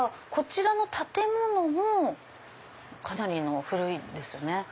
こちらの建物もかなり古いですよね。